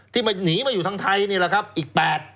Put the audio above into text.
ที่มันหนีมาอยู่ทางไทยนี่แหละครับอีก๘